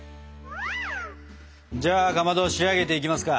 じゃあかまど仕上げていきますか！